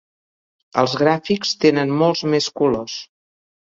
Els gràfics tenen molts més colors.